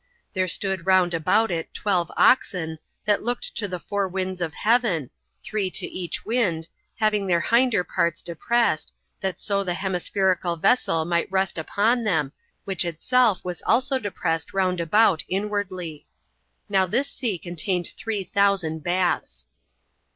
There stood round about it twelve oxen, that looked to the four winds of heaven, three to each wind, having their hinder parts depressed, that so the hemispherical vessel might rest upon them, which itself was also depressed round about inwardly. Now this sea contained three thousand baths.